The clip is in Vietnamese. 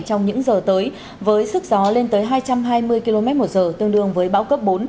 trong những giờ tới với sức gió lên tới hai trăm hai mươi km một giờ tương đương với bão cấp bốn